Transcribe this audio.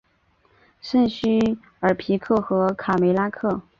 圣叙尔皮克和卡梅拉克。